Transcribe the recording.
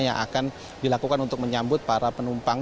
yang akan dilakukan untuk menyambut para penumpang